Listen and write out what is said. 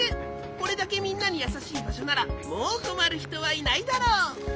これだけみんなにやさしいばしょならもうこまるひとはいないだろう。